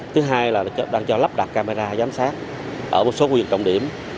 thứ hai là đang cho lắp đặt camera giám sát ở một số khu vực trọng điểm